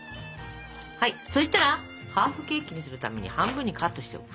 はいそしたらハーフケーキにするために半分にカットしておく。